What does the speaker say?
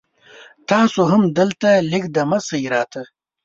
تاسو هم دلته لږ دمه شي را ته